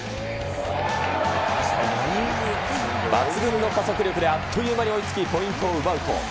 抜群の加速力であっという間に追いつきポイントを奪うと。